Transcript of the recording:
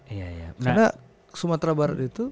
karena sumatera barat itu